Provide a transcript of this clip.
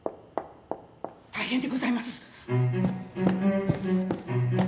大変でございます。